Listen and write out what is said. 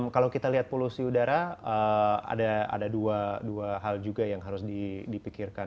kalau kita lihat polusi udara ada dua hal juga yang harus dipikirkan